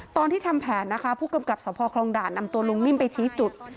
ตอนที่ทำแผนนะคะผู้กำกับสภคลองด่านนำตัวลุงนิ่มไปชี้จุด